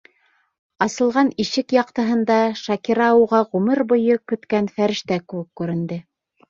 Асылған ишек яҡтыһында Шакира уға ғүмер буйы көткән фәрештә кеүек күренде.